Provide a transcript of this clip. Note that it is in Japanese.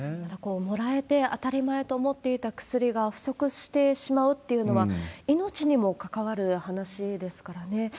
もらえて当たり前と思っていた薬が不足してしまうっていうのは、命にも関わる話ですからね。